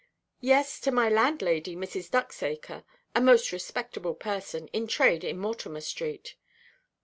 "Yes, to my landlady, Mrs. Ducksacre, a most respectable person, in trade in Mortimer–street."